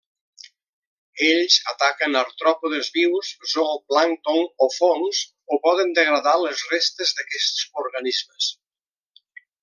Ells ataquen artròpodes vius, zooplàncton o fongs o poden degradar les restes d'aquests organismes.